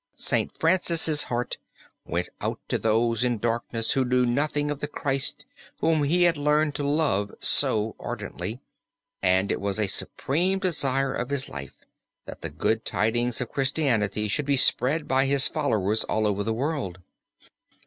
St. Francis' heart went out to those in darkness who knew nothing of the Christ whom he had learned to love so ardently, and it was a supreme desire of his life that the good tidings of Christianity should be spread by his followers all over the world.